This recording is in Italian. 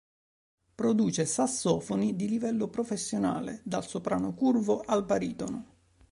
Produce sassofoni di livello professionale, dal soprano curvo al baritono.